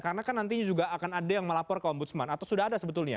karena nantinya nanti akan ada yang melapor ke ombudsman atau sudah ada sebetulnya